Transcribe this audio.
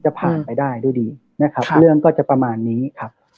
ผ่านไปได้ด้วยดีนะครับเรื่องก็จะประมาณนี้ครับ